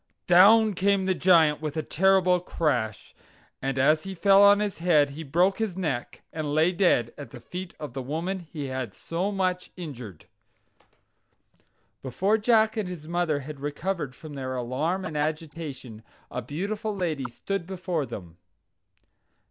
Down came the Giant with a terrible crash, and as he fell on his head, he broke his neck, and lay dead at the feet of the woman he had so much injured. Before Jack and his mother had recovered from their alarm and agitation, a beautiful lady stood before them.